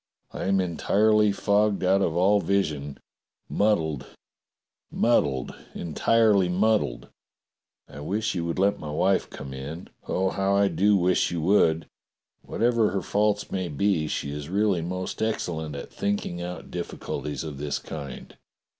"I am entirely fogged out of all vision. Muddled, muddled — entirely muddled. I wish you would let my wife come in. Oh, how I do wish you would! \Miatever her faults may be, she is really most excellent at thinking out difficulties of this kind.